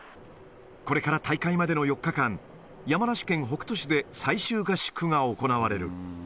これから大会までの４日間、山梨県北杜市で最終合宿が行われる。